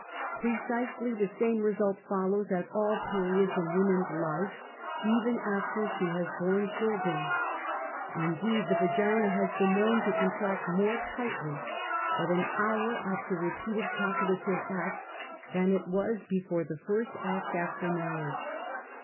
Precisely the same result follows at all periods ia woman's life, even after she has borne children. In \ deed, the vagina has been knoAvn to contract more I tightly but an hour after repeated copulative acts, \than it was before the lirst act after marriage.